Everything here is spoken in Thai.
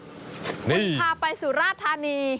คนพาไปสุรธารี